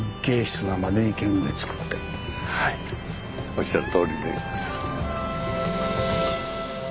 おっしゃるとおりになります。